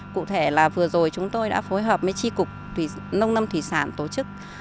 cụ thể là vừa rồi chúng tôi đã phối hợp với tri cục nông nâm thủy sản tổ chức